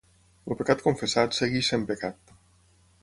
El pecat confessat segueix sent pecat.